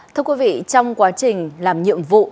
thưa quý vị trong quá trình làm nhiệm vụ